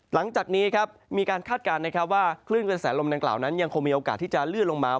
หลังจากนี้ครับมีการคาดการณ์นะครับว่าคลื่นกระแสลมดังกล่าวนั้นยังคงมีโอกาสที่จะลื่นลงมา